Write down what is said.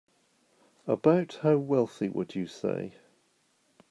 About how wealthy would you say?